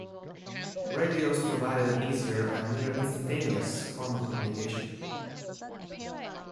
Radios provided an easier and near instantaneous form of communication.